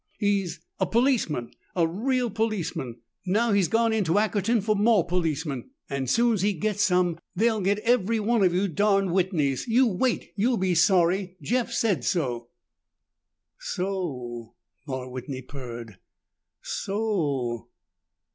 "He's a policeman. A real policeman. Now he's gone into Ackerton for more policemen, and soon's he gets some, they'll get every one of you darned Whitneys. You wait! You'll be sorry, Jeff said so!" "So o," Barr Whitney purred. "So o."